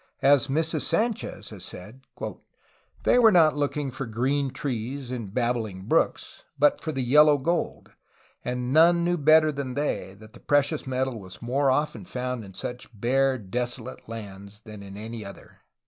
As Mrs. Sanchez has said: "They were not looking for green trees and babbling brooks, but for the yellow gold, and none knew better than they that the precious metal was more often found in such bare, desolate lands than in any other.''